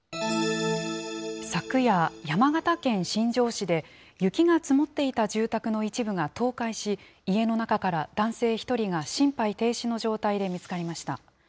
昨夜、山形県新庄市で雪が積もっていた住宅の一部が倒壊し、家の中から男性１人が心肺停止の状態で見つかりました。